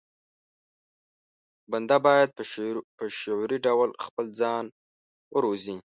بنده بايد په شعوري ډول خپل ځان وروزي.